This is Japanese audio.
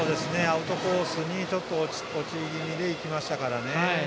アウトコースにちょっと落ち気味に行きましたからね。